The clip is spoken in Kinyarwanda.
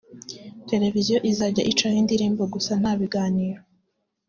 televiziyo izajya icaho indirimbo gusa nta biganiro